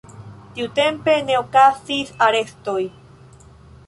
Tiutempe ne okazis arestoj.